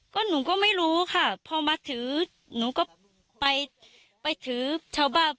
ก็หนูก็ไม่รู้ค่ะพอมาถือหนูก็ไปไปถือชาวบ้าน